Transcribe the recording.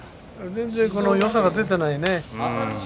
全然よさが出てないね。